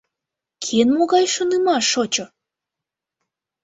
Кӧн могай шонымаш шочо?